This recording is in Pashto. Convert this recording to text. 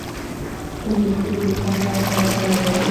انګلیسي د فیشن نړۍ سره تړلې ده